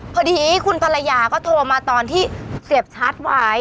พอดีคุณภรรยาก็โทรมาตอนที่เสียบชาร์จไว้